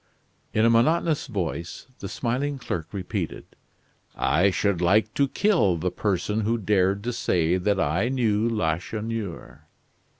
In a monotonous voice, the smiling clerk repeated: "I should like to kill the person who dared to say that I knew Lacheneur."